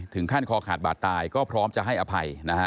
ถึงขั้นคอกอาจบาดตายก็พร้อมจะให้อภัยนะฮะ